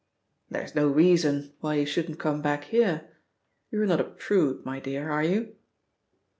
"There's no reason why you shouldn't come back here? You're not a prude, my dear, are you?"